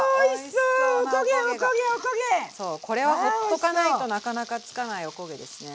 そうこれはほっとかないとなかなか付かないおこげですね。